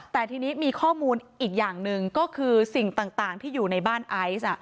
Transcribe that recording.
แต่ทีนี้มีข้อมูลอีกอย่างหนึ่งก็คือสิ่งต่างที่อยู่ในบ้านไอซ์